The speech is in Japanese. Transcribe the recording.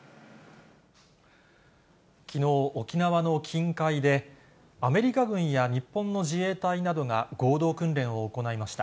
きのう、沖縄の近海で、アメリカ軍や日本の自衛隊などが合同訓練を行いました。